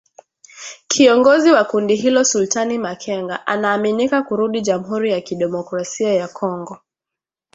Kiongozi wa kundi hilo Sultani Makenga anaaminika kurudi Jamhuri ya kidemokrasia ya Kongo.